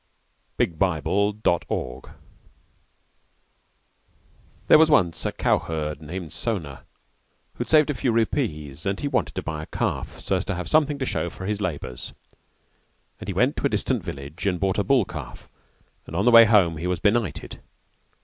XII. The Changed Calf. There was once a cowherd named Sona who saved a few rupees and he decided to buy a calf so as to have something to show for his labours; and he went to a distant village and bought a bull calf and on the way home he was benighted.